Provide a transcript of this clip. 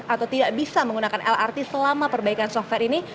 atau tidak bisa menggunakan lrt selama perbaikan software ini